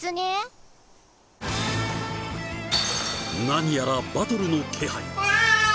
何やらバトルの気配。